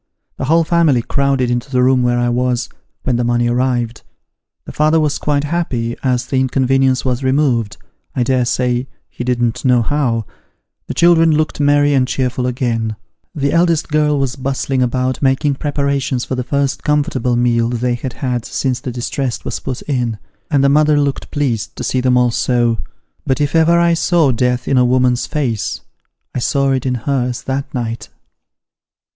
The whole family crowded into the room where I was, when the money arrived. The father was quite happy as the inconvenience was removed I dare say ho didn't know how ; the children looked merry and cheerful again ; the eldest girl was bustling about, making preparations for the first comfortable meal they had had since the distress was put in ; and the mother looked pleased to see them all so. But if ever I saw death in a woman's face, I saw it in hers that night.